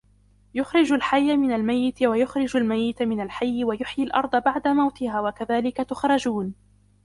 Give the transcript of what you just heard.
يُخْرِجُ الْحَيَّ مِنَ الْمَيِّتِ وَيُخْرِجُ الْمَيِّتَ مِنَ الْحَيِّ وَيُحْيِي الْأَرْضَ بَعْدَ مَوْتِهَا وَكَذَلِكَ تُخْرَجُونَ